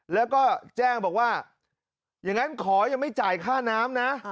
แล้วก็แจ้งบอกว่าอย่างนั้นขอยังไม่จ่ายค่าน้ำนะ